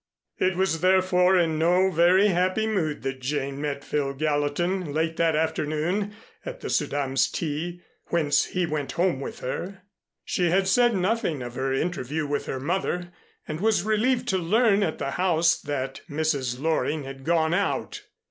It was therefore in no very happy mood that Jane met Phil Gallatin late that afternoon at the Suydams' tea whence he went home with her. She had said nothing of her interview with her mother, and was relieved to learn at the house that Mrs. Loring had gone out.